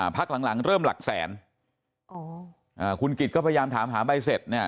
พักหลังหลังเริ่มหลักแสนคุณกิจก็พยายามถามหาใบเสร็จเนี่ย